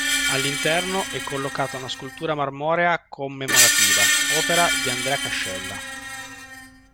All'interno è collocata una scultura marmorea commemorativa, opera di Andrea Cascella.